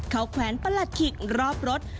เขาแขวนประหลัดขิกรอบรถ